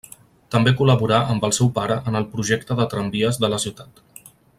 També col·laborà amb el seu pare en el projecte de tramvies de la ciutat.